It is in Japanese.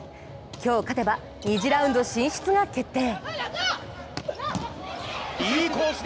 今日勝てば２次ラウンド進出が決定。